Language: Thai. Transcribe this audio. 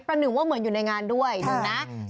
ประหนึ่งว่าเหมือนอยู่ในงานด้วยหนึ่งนะ